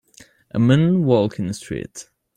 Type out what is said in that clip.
A man walks on the street.